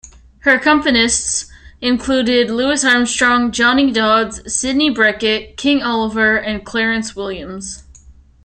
Her accompanists included Louis Armstrong, Johnny Dodds, Sidney Bechet, King Oliver, and Clarence Williams.